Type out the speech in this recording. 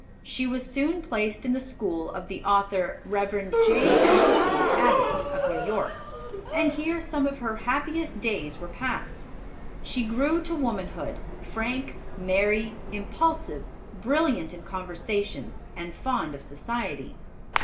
She was soon placed in the school of the author, Rev. J.S.C. Abbott, of New York, and here some of her happiest days were passed. She grew to womanhood, frank, merry, impulsive, brilliant in conversation, and fond of society.